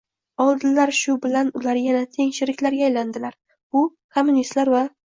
oldilar, shu bilan ular yana teng sheriklarga aylandilar; bu kommunistlar va